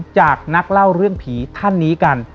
จากนักเล่าเรื่องผีท่านนี้กัน